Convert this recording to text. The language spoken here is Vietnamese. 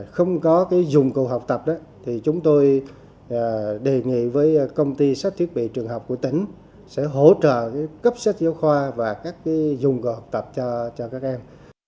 không có dụng cụ học tập thì chúng tôi đề nghị với công ty sách thiết bị trường học của tỉnh sẽ hỗ trợ cấp sách giáo khoa và các dùng gạt học tập cho các em